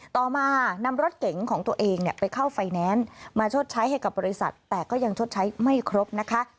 ต่อมานำรถเก๋งของตัวเองไปเข้าไฟแนนซ์มาชดใช้ให้กับบริษัทแต่ก็ยังชดใช้ไม่ครบนะคะ